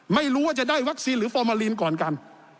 ไม่รู้ว่าจะได้วัคซีนหรือฟอร์มาลีนก่อนกัน